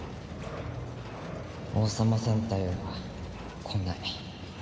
王様戦隊は来ない。